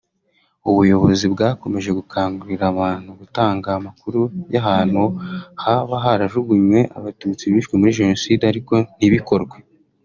ubuyobozi bwakomeje gukangurira abantu gutanga amakuru y’ahantu haba harajugunywe abatutsi bishwe muri Jenoside ariko ntibikorwe